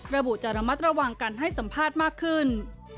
ระบุจะระมัดระวังการให้สัมภาษณ์มากขึ้น